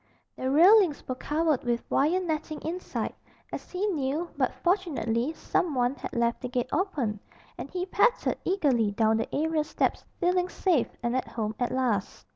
The railings were covered with wire netting inside, as he knew, but fortunately some one had left the gate open, and he pattered eagerly down the area steps feeling safe and at home at last.